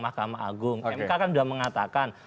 mahkamah agung mk kan sudah mengatakan